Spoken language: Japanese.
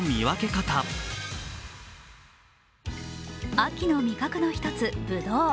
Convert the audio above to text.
秋の味覚の１つ、ぶどう。